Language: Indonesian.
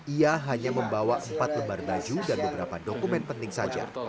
ia hanya membawa empat lembar baju dan beberapa dokumen penting saja